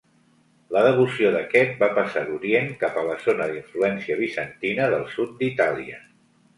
La devoció d'aquest va passar d'orient cap a la zona d'influència bizantina del sud d'Itàlia.